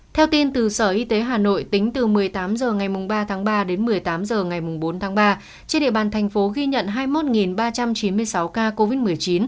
theo tin từ sở y tế hà nội tính từ một mươi tám h ngày ba tháng ba đến một mươi tám h ngày bốn tháng ba trên địa bàn thành phố ghi nhận hai mươi một ba trăm chín mươi sáu ca covid một mươi chín